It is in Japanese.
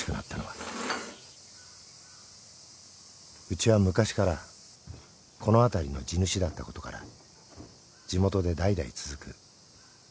［うちは昔からこの辺りの地主だったことから地元で代々続く不動産業を営んでいました］